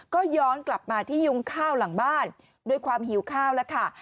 ก็ย้อนกลับมาที่ยุงข้าวหลังบ้านด้วยความหิวข้าวแล้วค่ะ